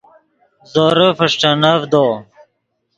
زورے فݰٹینڤدو